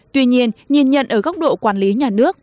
tuy nhiên nhìn nhận ở góc độ quản lý nhà nước